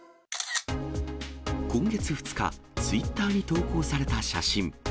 今月２日、ツイッターに投稿された写真。